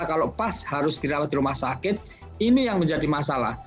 kalau pas harus dirawat di rumah sakit ini yang menjadi masalah